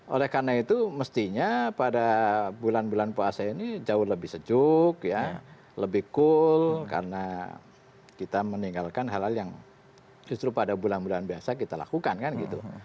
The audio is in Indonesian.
oleh karena itu mestinya pada bulan bulan puasa ini jauh lebih sejuk ya lebih cool karena kita meninggalkan hal hal yang justru pada bulan bulan biasa kita lakukan kan gitu